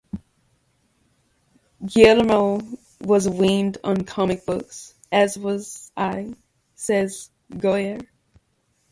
"Guillermo was weaned on comic books, as was I," says Goyer.